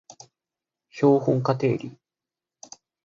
標本化定理